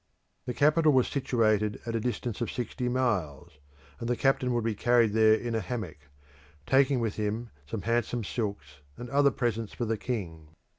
The capital was situated at a distance of sixty miles, and the captain would be carried there in a hammock, taking with him some handsome silks and other presents for the king.